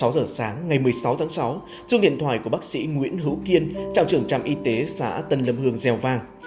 sáu giờ sáng ngày một mươi sáu tháng sáu chuông điện thoại của bác sĩ nguyễn hữu kiên trào trưởng trạm y tế xã tân lâm hương gieo vàng